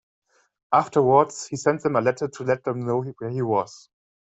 Afterwards, he sent them a letter to let them know where he was.